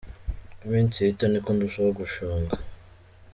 Uko iminsi ihita niko ndushaho gushonga.